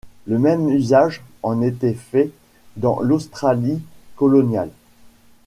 Le même usage en était fait dans l'Australie coloniale.